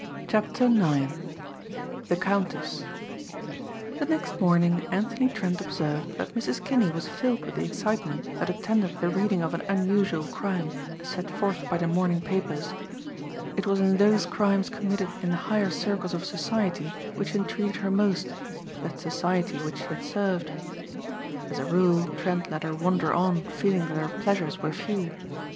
CHAPTER IX "THE COUNTESS" The next morning Anthony Trent observed that Mrs. Kinney was filled with the excitement that attended the reading of an unusual crime as set forth by the morning papers. It was in those crimes committed in the higher circles of society which intrigued her most, that society which she had served. As a rule Trent let her wander on feeling that her pleasures were few.